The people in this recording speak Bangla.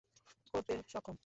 করতে সক্ষম।